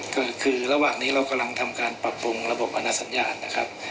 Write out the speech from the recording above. ก็คือระหว่างนี้เรากำลังทำการปรับปรุงระบบอนาสัญญาณนะครับ